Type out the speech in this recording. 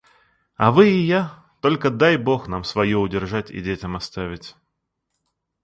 А вы и я — только дай Бог нам свое удержать и детям оставить.